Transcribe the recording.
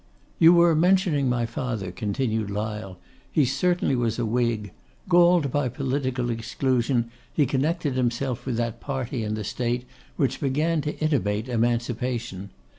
'You were mentioning my father,' continued Lyle. 'He certainly was a Whig. Galled by political exclusion, he connected himself with that party in the State which began to intimate emancipation.